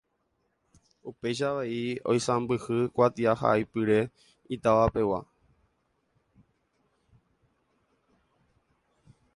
Upéicha avei oisãmbyhy kuatiahaipyre itavapegua.